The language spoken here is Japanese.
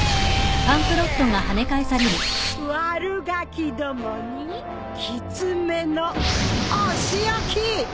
悪ガキどもにきつめのお仕置き！